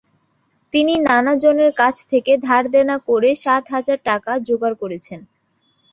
তিনি নানাজনের কাছ থেকে ধারদেনা করে সাত হাজার টাকা জোগাড় করেছেন।